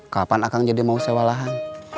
kapan akan jadi mau sewa lahan